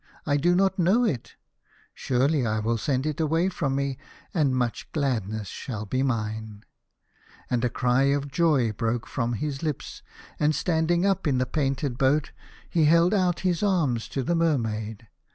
I do not know it. Surely I will send it away from me, and much $8 The Fisherman and his Soul. gladness shall be mine." And a cry of joy broke from his lips, and standing up in the painted boat, he held out his arms to the Mer maid.